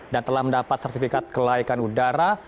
dan telah mendapat sertifikat kelaikan udara